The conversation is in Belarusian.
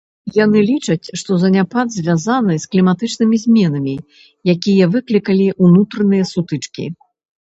Яны лічаць, што заняпад звязаны з кліматычнымі зменамі, якія выклікалі ўнутраныя сутычкі.